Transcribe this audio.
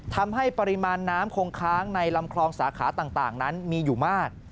ทำให้ปริมาณน้ำคงค้างในลำคลองสาขาต่างนั้นมีอยู่มาก